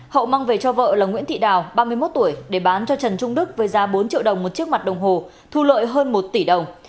hậu mang về cho vợ là nguyễn thị đào ba mươi một tuổi để bán cho trần trung đức với giá bốn triệu đồng một chiếc mặt đồng hồ thu lợi hơn một tỷ đồng